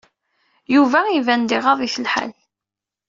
Yuba iban-d iɣaḍ-it lḥal.